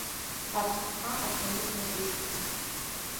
Аԥсҳа аханы днатәеит.